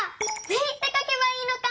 「０」ってかけばいいのか！